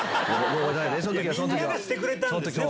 みんながしてくれたんですね